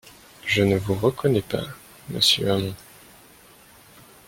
Je ne vous reconnais pas, monsieur Hamon